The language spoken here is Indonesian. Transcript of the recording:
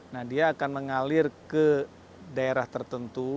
nah dia akan mengalir ke daerah tertentu